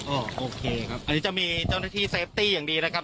โอเคครับอันนี้จะมีเจ้าหน้าที่เซฟตี้อย่างดีนะครับ